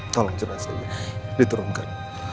tolong jenazah ibu diterumkan